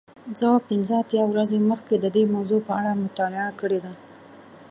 زه پنځه اتیا ورځې مخکې د دې موضوع په اړه مطالعه کړې ده.